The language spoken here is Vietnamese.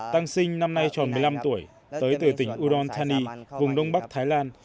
tăng sinh năm nay tròn một mươi năm tuổi tới từ tỉnh udon thani vùng đông bắc thái lan